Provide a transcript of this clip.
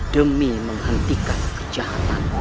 demi menghentikan kejahatanmu